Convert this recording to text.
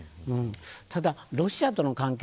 ただ、ロシアとの関係